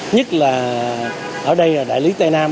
nhất là ở đây là đại lý tây nam